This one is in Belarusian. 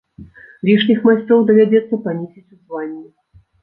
Лішніх майстроў давядзецца панізіць у званні.